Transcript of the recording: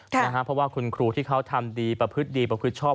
เพราะว่าคุณครูที่เขาทำดีประพฤติดีประพฤติชอบ